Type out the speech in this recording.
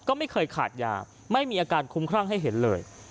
ก็ไม่เคยขาดยาไม่มีอาการคุ้มครั่งให้เห็นเลย